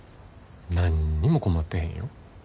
何にも困ってへんよ。